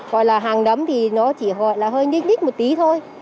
gọi là hàng đấm thì nó chỉ gọi là hơi nhích đích một tí thôi